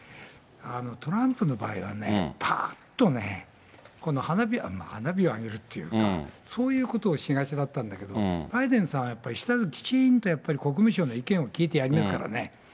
トランプの場合はね、ぱーっとね、この花火、花火を上げるっていうか、そういうことをしがちだったんだけども、バイデンさんはやっぱり、きちんと国務省の意見を聞いてやりますからね。